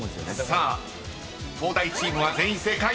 ［さあ東大チームは全員正解］